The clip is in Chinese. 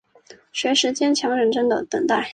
随时坚强认真的等待